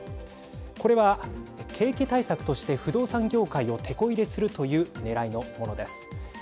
これは、景気対策として不動産業界をてこ入れするというねらいのものです。